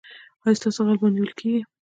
ایا ستاسو غل به نیول کیږي؟